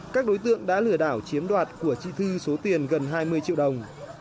các đối tượng đã lừa đảo chiếm đoạt của chị thư số tiền gần hai mươi triệu đồng